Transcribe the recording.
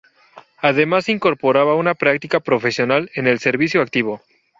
Además se incorporaba una práctica profesional en el servicio activo.